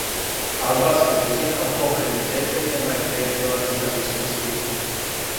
Албанска већина у покрајини деценијама је тежила независности.